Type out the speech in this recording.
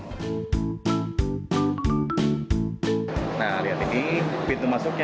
pemerintah provinsi jakarta mengundang mrt ini dan berikut informasinya